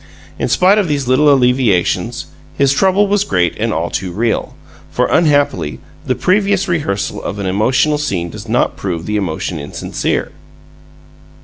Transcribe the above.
In spite of these little alleviations, his trouble was great and all too real, for, unhappily, the previous rehearsal of an emotional scene does not prove the emotion insincere.